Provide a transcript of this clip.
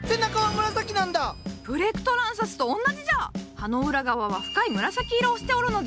葉の裏側は深い紫色をしておるのじゃ！